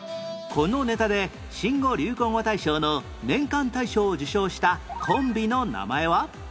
このネタで新語・流行語大賞の年間大賞を受賞したコンビの名前は？